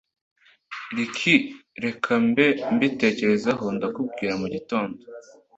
Ricky reka mbe mbitekerezaho ndakubwira mu gitondo